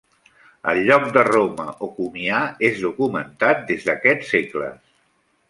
El lloc de Roma o Comià és documentat des d'aquests segles.